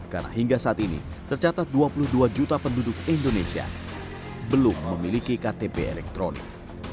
karena hingga saat ini tercatat dua puluh dua juta penduduk indonesia belum memiliki ktp elektronik